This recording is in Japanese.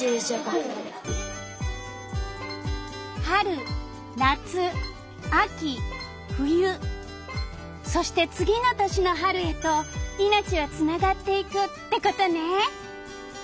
春夏秋冬そして次の年の春へといのちはつながっていくってことね！